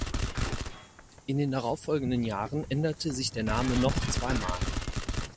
In den darauf folgenden Jahren änderte sich der Name noch zweimal.